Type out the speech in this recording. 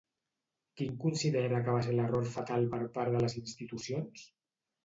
Quin considera que va ser l'error fatal per part de les institucions?